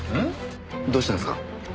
どうしたんすか？